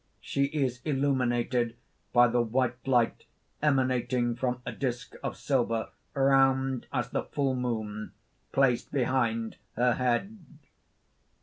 She is illuminated by the white light emanating from a disk of silver, round as the full moon, placed behind her head.